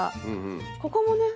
ここもね。